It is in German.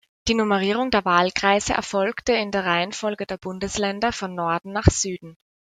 Die Nummerierung der Wahlkreise erfolgte in der Reihenfolge der Bundesländer von Norden nach Süden.